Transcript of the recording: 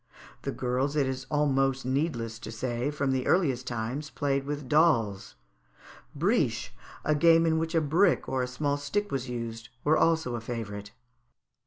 The girls, it is almost needless to say, from the earliest times played with dolls. Briche, a game in which a brick and a small stick was used, were also a favourite.